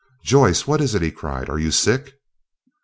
"Joyce, what is it?" he cried. "Are you sick?"